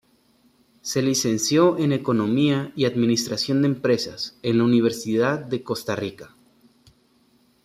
Se licenció en Economía y Administración de Empresas en la Universidad de Costa Rica.